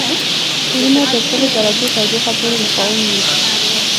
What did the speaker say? سپورونه تر سلو درجو تودوخه پورې مقاوم وي.